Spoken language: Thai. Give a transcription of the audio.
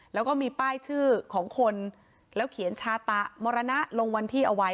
แล้วก็มีป้ายชื่อของคนแล้วเขียนชาตะมรณะลงวันที่เอาไว้